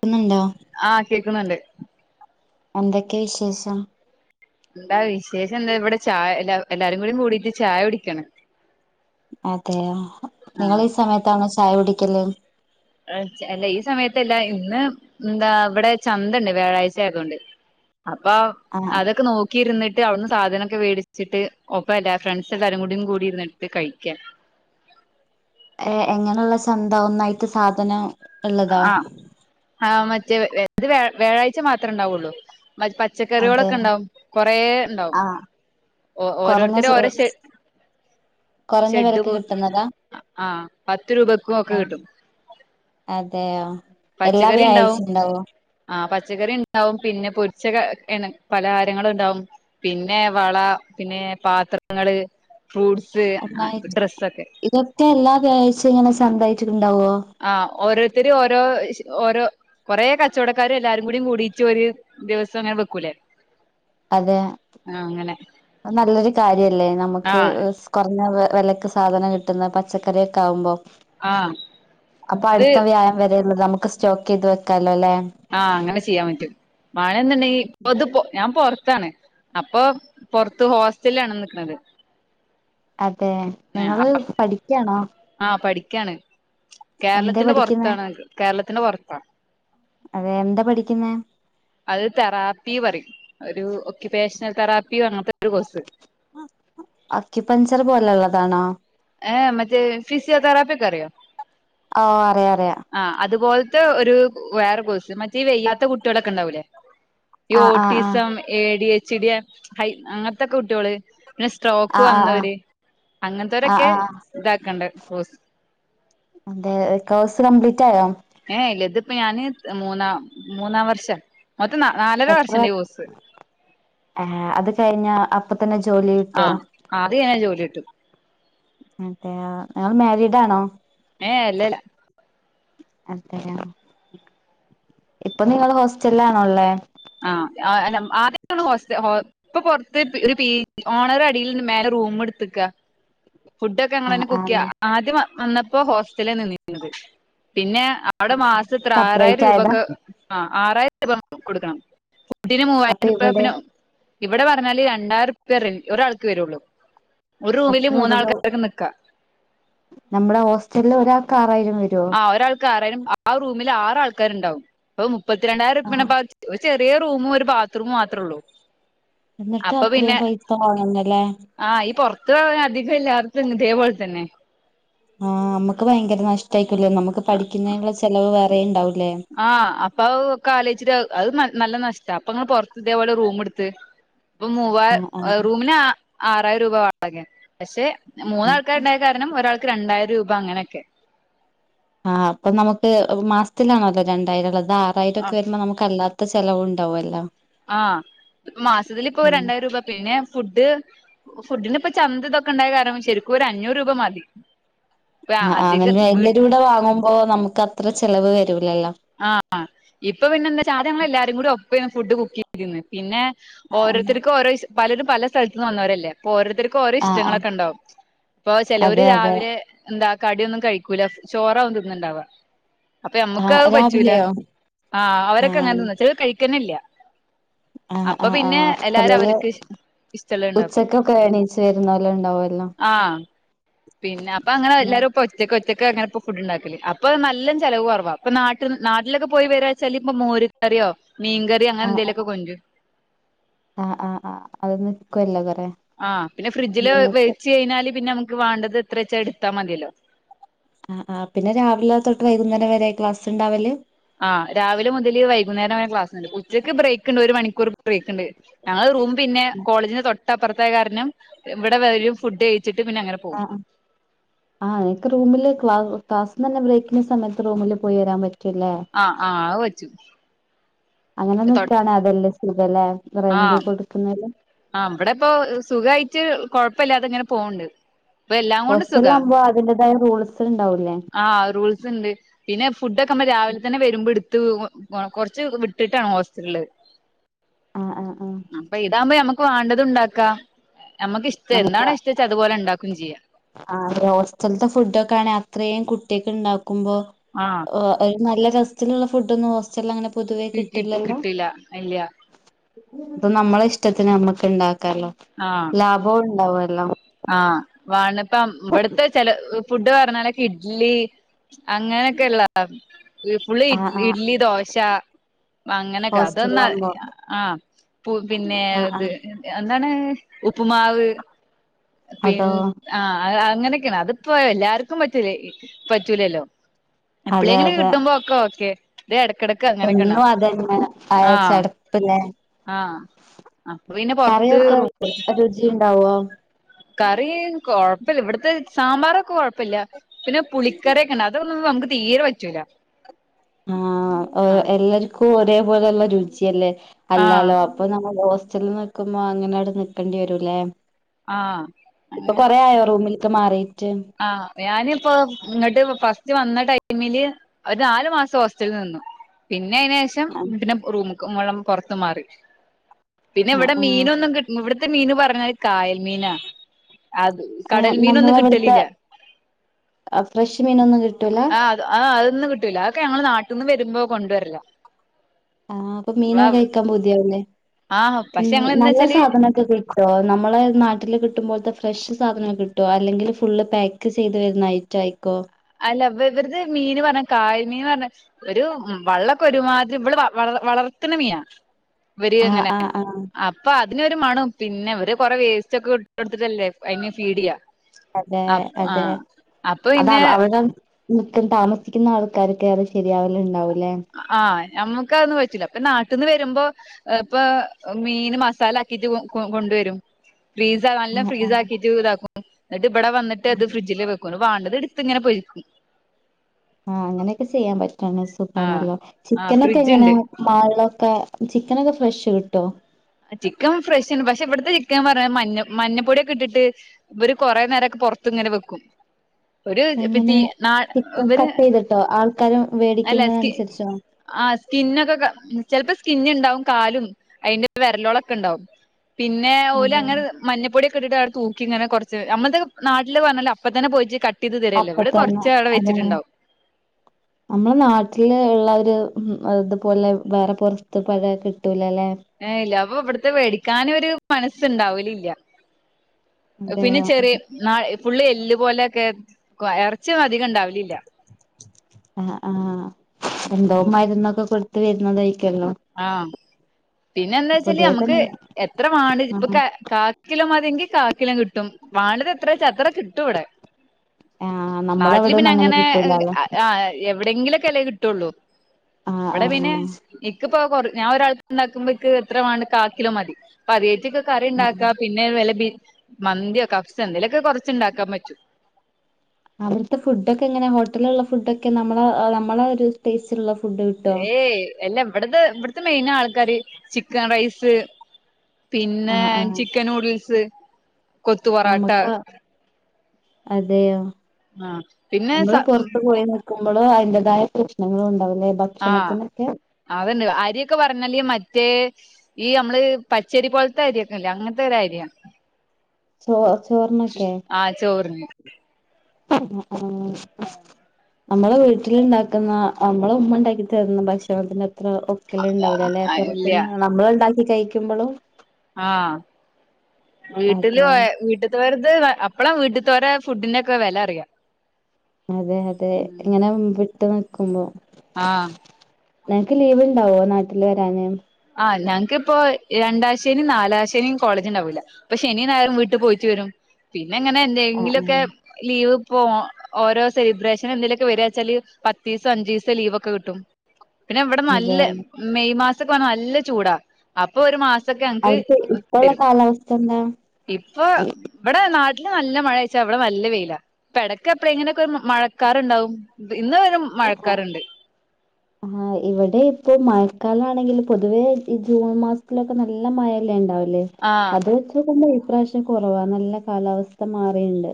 കുന്നുണ്ടോ ആ കേക്കുന്നുണ്ട് എന്തൊക്കെയ വിശേഷം എന്താ വിശേഷം എന്താ ഇവിടെ ചായ എ എല്ലാരും കൂടി കൂടിട്ട് ചായ കുടിക്കാണ് അതെയോ ആഹ് നിങ്ങള് ഈ സമയത്താണോ ചായ കുടിന്നേ ച്ച അല്ല ഈ സമയത്തല്ല ഇന്ന് എന്താ ഇവിടെ ചന്ത ഉണ്ട് വ്യാഴാഴ്ചയാതേട്. അപ്പൊ ആ അതൊക്കെ നോക്കി. നോക്കി ഇരുന്ന് ട് സാധനൊക്കെ വേടിച്ചിട്ട് ഒപ്പം ഫ്രണ്ട്സ് എല്ലാരും കൂടും കൂടി ഇരുന്നിട്ട് കഴിക്കന്. ഏ എങ്ങനെയുള്ള ചന്ത ഒന്നായിട്ട് സാധന ആ ആ മറ്റേ ഇത് വ്യാഴാഴ്ച മാത്രേ ഉണ്ടാവുള്ളൂ. അതെ പച്ചക്കറികളൊക്കെ ഉണ്ടാവും കുറെേ ഉണ്ടാവും ആ കുറഞ്ഞ സു ഓരോരുത്തരും ഓരോ ശൊ കുറഞ്ഞ ഷെഡ് വിലക്ക് പോ കിട്ടുന്നതാ ആഹ് ആ പത്ത് രൂപക്കും ഒക്കെ ആ, കിട്ടും അതെയോ എല്ലാ പച്ചക്കറി വ്യാഴാഴ്ച ഉണ്ടാവും. ഉണ്ടാവോ ആ പച്ചക്കറി ഉണ്ടാവും പിന്നെ പൊരിച്ച പലഹാരങ്ങളും ഉണ്ടാവും. പിന്നെ വള പിന്നെ പാത്രങ്ങള്, ഫ്രൂട്സ്, ഒന്നായിട്ട് ഡ്രസ്സ്ക്കെ. ഇതൊക്കെ എല്ലാ വ്യാഴംച്ച ഇങ്ങനെ ചന്തായിച്ചിട്ടുണ്ടാവുവോ ആ ഓരോരുത്തര് ഓരോ ഓരോ കുറെേ കച്ചവടക്കാരും എല്ലാരും കൂടി കൂടിയിട്ട് ഒരു ദിവസം അങ്ങനെ വെക്കൂലേ അതെ ആ അങ്ങനെ നല്ലൊരു കാര്യല്ലേ ആ നമുക്ക്. കുറഞ്ഞ വിലക്ക് സാധനം കിട്ടുന്ന പച്ചക്കറൊക്കെ ആവുമ്പോ ആ അപ്പൊ ഇത് അടുത്ത വ്യായമം വരെള്ള നമുക്ക് സ്റ്റോക്ക് ചെയ്ത് വെക്കാലോ അല്ലേ? ആഹ് അങ്ങനെ ചെയ്യാൻ പറ്റും മഴന്നണ്ടെങ്കിൽ ഞാൻ പൊറത്താണ്. അപ്പൊ പുറത്ത് ഹോസ്റ്റല് ആണ് നിക്കുന്നത്. അതെ നിങ്ങള് പഠിക്കയാണോ? ആഹ് പഠിക്കയാണ് എന്തേ കേരളത്തിന്റെ പഠിക്കുന്നേ പുറത്താണ് കേരളത്തിന്റെ പുറത്താ അതെ എന്താ പഠിക്കുനെ? അത് തെറാപ്പി പറയും ഒരു ഒക്കയുപേഷണൽ തെറാപ്പിയും അങ്ങനത്തെ ഒരു കോഴ്സ്. അക്കിപ്പഞ്ചർ പോലെ ഉ ള്ളതാണോ? ഹ് മറ്റേ ഫിസി യേ തറപ്പാറി ഒകൊറിയോ ഓ അറിയ അറിയാം ആ അതുപോലത്തെ ഒരു വേറെ കോസ് മറ്റേ വെയ്യാത്ത കുട്ടികളൊക്കെ ഉണ്ടാവൂലേ ഈ ആ ആ ആ ഓട്ടീസം എ ഡി എച്ച്യ ഹൈ അങ്ങനത്തെക്കെ കുട്ടികള് പിന്നെ ആ സ്ട്രോക്ക് ആ വന്നവര് ആ അങ്ങനത്തവരൊക്കെ ആ ആ ഇതാക്കണ്ട കെസ് അതെ കോഴ്സ് കംപ്ലീറ്റ് ആയോ? ഏ ഇല്ല ഇതിപ്പ ഞാന് മൂന്നാം മൂന്നാം വർഷം മൊത്തം ന നാലര വർഷംന്റെഈ കോഴസ്. ആഹ ഹെ അത് കഴിഞ്ഞ അപ്പൊ തന്നെ ജോലി ആ കിട്ടോ? അത് കഴിഞ്ഞാൽ ജോലികിടും. അതെ ഇയാൾ മരീഡ് ആണോ? ഏ അല്ലല്ല [inaudible] ഇപ്പൊനിങ്ങള് ഹോസ്റ്റലാണല്ലേള്. ആ അല്ല ആദ്യകെളെ ഹോസ്റ്റ ഹോ ഇപ്പൊ പൊറ്ത്ത് ഒര് പീടി ഓണറ് അടില് മേലെ റൂം ഇട്ത്ക്കാ. ഫുഡോക്കെ ആ ങ്ങളന്നെ ആ കുക്ക്യ ആദ്യം വന്നപ്പോ ഹോസ്റ്റലെ നിന്നിന്നത് പിന്നെ ആ അവ്ടെ വർഡ് ത്രെ ആറായിരം സെപ്പറേറ്റ് ആയതാ രൂപക് ആ ആറായിരൂപ കൊട്ക്കണം ഫുഡിന് അപ്പൊ മൂവായിരൂപ്പെ ഇവിടെ പിന്നെ ഇവിടെ പറഞ്ഞാല് രണ്ടായിരംറുപൃ ഒരാൾക്ക് വെരൊള്ളൂ. ഒരു റൂമില് അത്ര പേരുള്ളൂ മൂന്നാൾക്കാക്കെ ന്ക്കാ. നമ്മുടെ ഹോസ്റ്റലിൽ ഒരാൾക്ക് ആറായിരം വരുരൊ ആരാൾക്കാരായാലും ആ റൂമിൽ ആറ് ആൾക്കാരുണ്ടാവും അപ്പൊ മുപ്പത്തിരണ്ടായിരം. ആ പ്പ ഒരു ചെറൊ റൂമും ഒരു ബാത്റൂമ് മാത്രള്ളൂ. എന്നിട്ട് അത്രേം പൈസ വാങ്ന്ന്ലെ ആ ഈ പൊർത്ത് ആ അധികംല്ലാട്ത് ഇങ്‌ ഇതേപോൽ തന്നെ. ആഹ് മ്മക്ക് ഭയങ്കെര നഷ്ടക്കൂല്ലേ നമ്മ്ക്ക് പഠിക്കുന്നെൻള്ള ചെലവ് വേറെം ഇണ്ടാവൂല്ലേ. ആഹ് അപ്പഹ് ക്കെ ആലോയ്ച്ചിട്ട് അഹ് നല്ല നഷ്ട അപ്പൊങ്ങൾ പൊർത്ത് ഇതെ ഇതെപൊലെ റൂം ഇട്ത്ത്. പ്പൊ ആഹ് ആഹ് മൂവായിയ് റൂമിന് ആറായിരൂപ വാടകെ പശെ ആഹ് മൂന്നാൾക്കാര്ണ്ടായ കാ ര് ണം ഒരാൾക്ക് രണ്ടായിരൂപ അങ്ങനെക്കെ ആഹ് അപ്പൊ നമുക്ക് ഹ് മാസ്‌ ത്തിലാണൊ രണ്ടായിരൊക്കെ അതൊ ആറായിരൊക്കെ വരുബൊ നമുക്ക്ല്ലാത്ത ത്ത ചെലവുണ്ടാവോല്ലൊ ആഹ് മാസത്തിൽ പ്പൊ രണ്ടായിരൂപ പിന്നെ ഫുഡ് ഫുഡിന് ഇപ്പൊ ചന്ത് ഇതൊക്കെണ്ടായ കാരണം ശെരിക്കും ഒര് അഞ്ഞൂരൂപ മതി ഇപ്പ ആഹ് അധികം വീ ആയിനെരുടെ വാങ്ങുമ്പോ നമുക്കത്ര ചെലവ് വരൂലല്ലോ ആഹ് ഇപ്പൊ പിന്നെന്താച്ച ആദ്യങ്ങളെല്ലാരും കൂടി ഫുഡ് കുക്കി രിന്ന് പിന്നെ ആഹ് ഓരോര്ത്തര്ക്കും ഓരോ ഇഷ് പലരും പല സ്ഥൽത്ന്ന് വന്നോരല്ലേ പ്പൊ ഓരോര്ത്തര്ക്കൊരോ ആഹ് ആഹ് ഇഷ്ടങ്ങളോകെഇണ്ടാവും പ്പൊ ചെലോര് അതെ അതെ രാവിലെ എന്താ കഡ്യോന്നും കഴിക്കൂല ചോറാവും തിന്ണ്ടാവ പ്പഹ് ആഹ് ഞമ്മക്കഹ് പറ്റൂല രാവിലെയോ ആഹ് അവരൊക്കങ്ങനെ ആഹ് തിന്നും ചെലൊര് കഴികന്നല്ല ആഹ് അപ്പൊ ആഹ് പിന്നെ ആഹ് എല്ലാരും ചെലര് അവര്ക്ക് ഇഷ് ഇഷ്ടള്ളഹ് ണ്ടാക്കും ഉച്ചക്കൊക്കെ എണീച്ച് വരുന്നോല് ഉണ്ടാവുമല്ലോ ആഹ് പിന്നെ പ്പൊ ങ്ങനെ എല്ലാരും പ്പൊ ഒറ്റൊക് ഒറ്റക്ക് അങ്ങനെപം ഫുഡ്ണ്ടാക്കല് അപ്പൊ ന്നല്ലൊം ചെ ലവ്കൊറ് വ പ്പൊ നാട്ട്ന് നാട്ട്ലൊക്കെ പോയി വെരാച്ചാല് ഇപ്പ മോര് കറ്യോ മീകറിയോ അങ്ങനെ ന്തെലൊക്കെ കൊണ്ട്രും അഹ്ആഹ് ആഹ് അത് നിക്കൊല്ലൊ കൊറെ ആഹ് പിന്നെ ഫ്രിജില് വേചെയ്ഞ്ഞാല് പിന്നെ നമക്ക് വാണ്ടത് ത്രെച്ചാ എട്ത്താ മതില്ലോ ആഹ് ആഹ് പിന്നെ രാവിലെ തൊട്ട് വൈകുന്നേരം വരെ ക്ലാസ് ണ്ടാവല് ആഹ് രാവി ലെ മുതല് വൈകുന്നേരം വരെ ക്ലാസ്ണ്ട് ഉച്ചയ്ക്ക് ബ്രേക്ക്ണ്ട് ഒര് മണിക്കൂർ ബ്രേക്ക്ണ്ട് ഞങ്ങള് റൂം പിന്നെ കോളജിന്റെ തൊട്ടപ്പർത്തായ കാരന്നം ഇവ്ടെ വെരും ഫുഡ് കയിച്ട്ട് പിന്നെ അങ്ങനെ പൊ ആഹ് ആഹ് ങ്ങക്ക് റൂമില് ക്ലാസ് ക്ലാസ് ന്നന്നെ ബ്രേക്കിന്സമേത്ത് റൂമ് ല് പോയിരാം പറ്റൂല്ലേ ആഹ് ആഹ് അയ്പറ്റു അങ്ങനെ ന്ക്കാണതെല്ലെ സുഖല്ലേ റെന്റ് ആഹ് കൊടുക്കുന്നെരം ആഹ് ബെടെ പ്പൊ സുഖായിറ്റ് കൊഴപ്പല്ലതങ്ങനെ പോണ്ട് പ്പ എല്ലാകൊണ്ട് സുഖ ഹോസ്റ്റലിലാകുമ്പോ അതിന്റേതായ റൂൾസ് ഉണ്ടാവൂലേ ആ ഹ് റൂൾസ്‌ സ്‌ണ്ട് പിന്നെ ഫുഡോക്കെമ്മ രാവ് ലെ തന്നെ വര്മ്പോ ഇട്ത്ത് ഓ കൊറ് കൊറ്ച്ച് വിട്ട്ട്ടാണ് ഹോസ്‌ഡ്രില് ആഹ് ആഹ് ആഹ് അപ്പൊ ഇതാവുമ്പോ ഞമ്മ്ക്ക്‌ വാണ്ടത് ഇണ്ടാക്കാ ഞമക്ക് ഇഷ്ടം എന്താണോ ഇഷ്ടച്ച അതുപോലെ ണ്ടാക്കും ചെയ്യാ ആഹ് ഹോസ്റ്റൽത്തെ ഫുഡോക്കെ ആണേ അത്രേം കുട്ടിക് ണ്ടാക്കുമ്പോ ആഹ് ഓ. ഒര് നല്ല രസ്‌ത്ത്ല്ള്ള ഫുഡോന്നും ഹോസ്റ്റൽലങ്ങനെ പൊതുവേ കിട്ടി കിട്ട്ല്ലല്ലോ? കിട്ടില്ല ഇല്ല പ്പൊ നമ്മളെ ഇഷ്ടത്തിന് നമ്മക്ക് ണ്ടാക്കാല്ലോ ആഹ് ലാഭൊണ്ടാവോ ലൊ ആഹ് വാണ് ഇപ്പ ഇവിടുത്തെ ചെല ഫുഡ് പറഞ്ഞാലൊക്കെ ഇഡ്ലി അങ്ങനൊക്കെള്ളാ ഫുളള് ഇ ആ ആ ഇഡ്ലി ദോശ അങ്ങനെയൊക്കെ അതൊന്നാ ഹോസ്റ്റലാകുമ്പോ ആഹ് പിന്നെ ആ ആ ഇത് എന്താണ് ഉപ്പുമാവ് അതോ പിന്ന ആഹ് അങ്ങനെയൊക്കെയാണ് അതിപ്പോ എല്ലാർക്കും പറ്റൂല പറ്റൂലല്ലോ അതെ എപ്പളേങ്കിലും അതെ കിട്ടുമ്പോ ഒക്കെ ഇത് എടക്കടക്ക് അങ്ങനെയൊക്കെണ്ട എന്നും അതന്നെ ആയ ആഹ് ചടപ്പല്ലേ ആഹ് അപ്പൊ പിന്നെ പൊറത്ത് റൂം കൊടു ജി ഇണ്ടാവോ കറി കൊഴപ്പല്ല ഇവിടത്തെ സാമ്പാറൊക്കെ കൊഴപ്പല്ല പിന്നെ പുളിക്കറിഒക്കെ അതൊന്നും നമുക്ക് തീരെ പറ്റൂല്ല ആഹ് എല്ലാർക്കും ഒരേപോലെയുള്ള രുചിയല്ലേ ആഹ് അല്ലാലോ അപ്പൊ നമ്മൾ ഹോസ്റ്റൽല് നിക്കുമ്പോ അങ്ങനാട് നിക്കണ്ടി വരൂല്ലേ. ആഹ് ഇപ്പൊ അങ്ങ കൊറേ ആയോ റൂമിൽക്ക് മാറിട്ട് ആഹ് ഞാനിപ്പോ ഇങ്ങട്ട് ഫസ്റ്റ് വന്ന ടൈമില് ഒര് നാല് മാസം ഹോസ്റ്റൽല് നിന്നു. പിന്നെ അയ്‌നേ ഷം ആഹ് പിന്നെ റൂമ്ക്ക് മൊളം പുറത്ത് മാറി. പിന്നെ ആഹ് ഇവടെ ആഹ് മീനൊന്നും കി ഇവ്ട്ത്തെ മീൻ പറഞ്ഞാല് കായൽ മീനാ അത് ഏഹ് കടൽ മീനൊന്നും നമ്മളെവെട്ത്തെ കിട്ടലില്ല ഫ്രഷ് മീനൊന്നും കിട്ടൂല? ആഹ് അത് അ അതൊന്നും കിട്ടൂല്ല. അതൊക്കെ ഞങ്ങള് നാട്ട്ന്ന് വരുമ്പോ കൊണ്ട് വരലാ. ആഹ് അപ്പം മീനൊക്കെ കഴിക്കാൻ പൂതിയാവൂല്ലേ? ആഹ് പക്ഷെ ഞങ്ങള് നല്ല എന്താച്ചാല് സാധനൊക്കെ കയ് ക്കോ? നമ്മളെ നാട്ടില് കിട്ടുമ്പോൽത്തെ ഫ്രഷ് സാധനങ്ങള് കിട്ടോ? അല്ലെങ്കിൽ ഫുള്ള് പാക്ക് ചെയ്ത് വരുന്ന ഐ റ്റായിക്കോ? അല്ല ഇവര്ത് മീന് പറഞ്ഞാ കായൽ മീൻ പർഞ്ഞ ഒരു വള്ളൊക്കെ ഒരുമാതിരി ഇവിള് വള വളർത്ത്ണ മീനാ. ഇവര് ആഹ് ഇങ്ങനെ ആഹ് ആഹ് അ പ്പൊ അതിനൊരു മണും. പിന്നെ അവര് കൊറെ വേസ്റ്റൊക്കെ ഇട്ടൊട്ത്തിട്ടല്ലേ അതിനെ ഫീഡിയ്യാ അതെ അപ് അതെ ആഹ് അപ്പൊ പിന്നെ ട്ടും താമസിക്കുന്ന ആൾക്കാര്ക്കെ ശരിയാവല് ഉണ്ടാവൂ ല്ലേ ആഹ് ഞമ്മക്ക് അതൊന്നും പറ്റൂല്ല. അപ്പൊ നാട്ടിന്ന് വരുമ്പോ ഇപ്പ മീന് മസാല ആക്കിട്ട് കൊണ്ടുവരും. ഫ്രീസാ നല്ല ആഹ് ഫ്രീസ് ആഹ് ആക്കിട്ട് ഇതാക്കും. എന്നിട്ട് ഇവടെ വന്നിട്ടത് ഫ്രിഡ്ജില് വെ ക്കും. വാണ്ടത് ഇട്ത്ത് ഇങ്ങനെ പൊരിക്കും. ആഹ് അങ്ങനെയൊക്കെ ചെയ്യാൻ പറ്റാണെ ആഹ് സുഖാണല്ലോ. ആഹ് ചിക്കൻ ഒക്കെ എങ്ങനാ? ഫ്രിഡ്ജ്ണ്ട് മാൾലൊക്കെ. ചിക്കനൊക്കെ ഫ്രഷ് കിട്ടോ? ചിക്കൻ ഫ്രഷ്ണ്. പക്ഷെ ഇവട്ത്തെ ചിക്കൻ പർഞ്ഞാ മഞ്ഞ മഞ്ഞപ്പൊടിയൊക്കെ ഇട്ടിട്ട് ഇവര് കുറേ നേരം ഒക്കെ പൊർത്ത് ഇങ്ങനെ വെക്കും. ഒരു ഇപ്പ എങ്ങനെ തീ നാര് ചിക്കൻ ഇവര് കട്ട് ചെയ്തിട്ടോ ആൾക്കാര് അല്ല വേടിക്കുന്നത് സ്‌കി അനുസരിച്ചോ ആഹ് സ്കിന്ന് ഒക്കെക്ക ചെൽപ്പോ സ്കിന്ന് ണ്ടാവും. കാലും വെര്ലോളൊക്കെ ണ്ടാവും. പിന്നെ അതെ ഓലങ്ങനെത് മഞ്ഞപ്പൊടിഒക്കെ ഇട്ടിട്ട് അവ്ടെ തൂക്കിങ്ങനെ കൊർച്ച് ഞമ്മൾതൊക്കെ നാട്ടില് ന്ന് പർഞാല് അപ്പ തന്നെ പോയിറ്റ് ക ട്ടെയ്ത് തര്ല്ലെ. അപ്പ ഇവടെ കൊർച്ച തന്നെ വ്ടെ വെച്ചിട്ട്ണ്ടാവും. [inaudible] നമ്മളെ നാട്ടില് ഉള്ള ഒരു ഇതുപോലെ വേറെ പൊർത്ത് പോഴാ കിട്ടൂലല്ലെ ഏഹ് ഇല്ല അപ്പൊ ഇവട്ത്തെ വേടിക്കാനൊര് മനസ്സ് ഇണ്ടാവലില്ല. അതെ പിന്നെ ചെറിയ നാ ഫുള്ള് എല്ല് പോലെയൊക്കെ കൊ എറച്ചി ഒന്നും അധികം ഉണ്ടാവലില്ല. ആഹ് ആഹ് എന്തോ മരുന്നൊക്കെ കൊടുത്ത് വരുന്നതായിക്കല്ലോ. ആഹ്. പിന്നെ എന്താ വച്ചാല് നമ്മക്ക് തന്നെ എത്ര വാണ്ട്യ ആ ഇപ്പൊ കാ കിലോ മതിയെങ്കി കാക്കിലോം കിട്ടും. വാണ്ടത് എത്രേ ച്ചാ അത്ര കിട്ടും ഇവടെ. ആ നമ്മളെ നാട്ടില് പിന്നെ അവിടൊന്നും അങ്ങനെ കിട്ടൂലല്ലോ [unintelligible] എവിടെങ്കിലൊക്കല്ലേ കിട്ടൊള്ളു. ആ ആ ഇവടെ പിന്നെ ഇക്ക് പ്പോ കൊറ് ഞാൻ ഒരാൾക്ക് ഇണ്ടാക്കുമ്പോ ഇൻക് എത്രേ വാണ്ടെ കാക്കിലോം മതി. അപ്പ അതിയേറ്റ് ക്ക് ആ കറിണ്ടാക്കാ പി ന്നെ വല്ല ബി മന്തിയോ കഫ്സേ എന്തെലൊക്കെ കൊറച്ച് ഇണ്ടാക്കാൻ പറ്റും. അവിടുത്തെ ഫുഡൊക്കെ എങ്ങന? ഹോട്ടല്ള്ള ഫുഡൊക്കെ? നമ്മളെ നമ്മളെ ഒരു സ്പേസിലുള്ള ഫുഡ് കി ഏയ് അല്ല ഇവട്ത് ഇവിട്ത്തെ മെയിൻ ആൾക്കാര് ചിക്കൻ റൈസ് ആ പിന്നെ ആ ചിക്കൻ നൂഡിൽസ് കൊത്തു പൊറാട്ട നമ്ക്കാ അതെയോ ആ പിന്നെ സ നമ്മള് പൊർത്ത് പോയി നി നിക്കുമ്പളും അയിന്റതായ പ്രശ്നങ്ങളും ഉണ്ടാവു ലേ. ഭ ആഹ് അത് ണ്ട്. അരിയൊക്കെ പറഞ്ഞാല് മറ്റേ ഈ യമ്മള് പച്ചരി പോൽത്തെ അരിയൊക്കെല്ലേ അങ്ങൻത്തൊര രിയാ. ചോ ചോറിനൊക്കെ ആഹ് ചോറിന് ആഹ് നമ്മളെ വീട്ടില് ണ്ടാക്ക്ന്ന നമ്മള ഉമ്മ ണ്ടാക്കി തരുന്ന ഭക്ഷണത്തിന്റെ അത്ര ഒ ഉണ്ടാവൂല ലെ ഇല്ല പോറത്ത്ന് നമ്മള് ണ്ടാക്കി കഴിക്ക്മ്പളും ആഹ് വീട്ടില് അതെ പോയ വീട്ട് വെറുതെ അപ്പളാ വീട്ട്ത്തോരെ ഫുഡിന്റെ ഒക്കെ വല അറിയാ അതെ അതെ ഉം ഇങ്ങനെ വിട്ട് നിക്കുമ്പോ ആഹ് നിനക്ക് ലീവ് ഉണ്ടാവോ നാട്ടിൽ വരാന് ആഹ് ഞങ്ങക്ക് ഇപ്പോ രണ്ടാൻ ശനി നാലാൻശനി കോളേജ് ണ്ടാവൂല ഇപ്പൊ ശനി ഞായറും വീട്ട് പോയിറ്റ് വരും പിന്നെ ഇങ്ങനെ ആഹ് എന്തെങ്കിലുക്കെ ആഹ് ലീവ് പോ ഓരോ സെലിബ്രേഷൻ എന്തെലോക്ക വരാച്ചാല് പത്തീസം അൻജീസം ലീവൊക്കെ കിട്ടും പിന്നെ ഇവിടെ അതെ നല്ല മെയ് മാസക്കെ വന്നാ നല്ല ചൂടാ അപ്പൊ ഒരു മാസൊക്കെ ഞക്ക് അവിടുത്തെ ഇപ്പള്ള തരും കാലാവസ്ഥ എന്താ ഇപ്പൊ ഇവിടെ നാട്ടില് നല്ല മഴ ച്ച ഇവിടെ നല്ല വെയില ഇപ്പ ടക്ക് അപ്പളങ്കിലൊക്കെ മഴക്കാറ്ണ്ടാവും ഇന്ന് ഒരു ആഹ് മഴക്കാറ്ണ്ട് ആഹ് ഇവിടെ ഇപ്പൊ മഴക്കാല ആണെങ്കിൽ പൊതുവേ ഈ ജൂൺ മാസത്തിലൊക്ക നല്ല മഴല്ലേ ണ്ടാവല് ആഹ് അത് വെച്ചുകൊമ്പോ ഇപ്രാവശ്യം കോറവാ നല്ല കാലാവസ്ഥ മാറിണ്ട്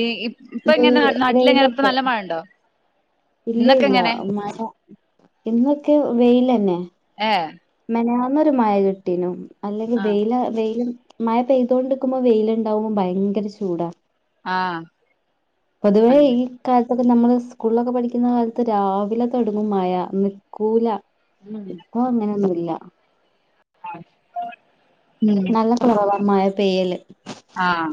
ഈ ഇ ഇപ്പൊങ്ങന നാട്ടില് എങ്ങന ഇപ്പ വെയിലൊക്കെ നല്ല മഴ ണ്ടോ ഇല്ല ഇല്ല മഴ ഇന്നൊക്കെ വെയിലന്നെ ഏ മേനയാന്നോരു മഴ കിട്ടീനും അല്ലങ്കി ആഹ് വെയില വെയില മഴ പെയ്തോണ്ട് ക്കുമ്പോ വെയില് ണ്ടാവുമ്പോ ഭയങ്കര ചൂടാ ആഹ് പൊതുവെ അങ്ങനെ ഈ കാലത്തൊക്കെ നമ്മള് സ്കൂളൊക്കെ പഠിക്കുന്ന കാലത്ത് രാവില തോടങ്ങും മഴ നിക്കൂല ഉം [unintelligible] പ്പോ അങ്ങനയൊന്നുല്ല [unintelligible] നല്ല കുറവാ മഴ പെയ്യൽ ആഹ്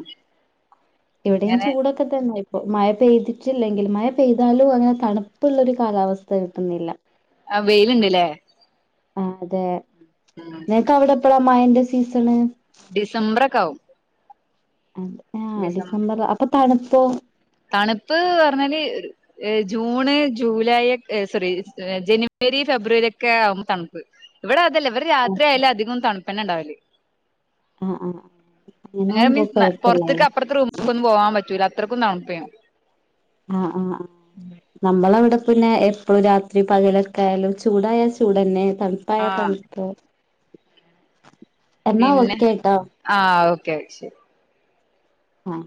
ഇവിടെയും അങ്ങനെ ചൂടൊക്ക ക്കെ തന്നെ ഇപ്പ മഴ പെയ്തിട്ടില്ലെങ്കിൽ മഴ പെയ്താലും അങ്ങന തണുപ്പുള്ളോരു കാലാവസ്ഥ കിട്ടുന്നില്ല ആഹ് വെയില് ണ്ട്ലെ ആഹ് അതെ ആഹ് നിനക്ക് അവിടെ എപ്പളാ മഴന്റെ സീസണ് ഡിസംബർ ഒക്കെ ആഉം ആഹ് ഡിസംബർ അപ്പൊ തണുപ്പോ തണുപ്പ് പറഞ്ഞാല് ഏഹ് ജൂണ് ജൂലൈ സോറി ജനുവരി ഫെബ്രുവരി ഒക്കെ ആവുമ്പോ തണുപ്പ് ഇവിടെ അതല്ലേ ഇവടെ രാത്രിയാലും അധികം തണുപ്പന്നെണ്ടാവൽ ആ ആ ആ അങ്ങനെ അങ്ങനാവുമ്പോ മീൻസ് കൊഴപ്പല്ലല്ലോ പൊറത്ത്ക്ക് അപ്പെറത്തെ റൂമ്ക്ക് ഒന്നും പോവാാൻ പറ്റൂല അത്രയ്ക്കും തണുപ്പ് ആഹ് ആഹ് ആഹ് നമ്മളവിടെ പിന്നെ എപ്പോഴും രാത്രി പകലൊക്കൊയാലും ചൂടായാൽ ചൂടന്നെ തണു പ്പായ ആഹ് തണുപ്പ് എന്നാ പിന്നെ ഓക്കേട്ടോ ആഹ് ഓക്കെ ശരി ആഹ്